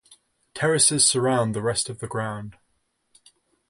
Terraces surround the rest of the ground.